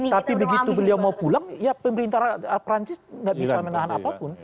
tapi begitu beliau mau pulang ya pemerintah perancis nggak bisa menahan apapun